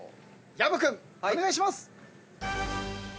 薮君お願いします。